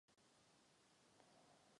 Můžeme to uvítat, nebo toho můžeme litovat.